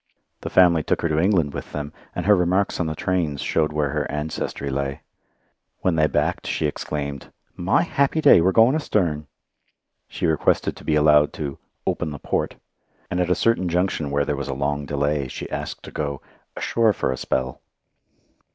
The family took her to England with them, and her remarks on the trains showed where her ancestry lay. When they backed she exclaimed, "My happy day! We're goin' astern!" She requested to be allowed to "open the port"; and at a certain junction where there was a long delay she asked to go "ashore for a spell."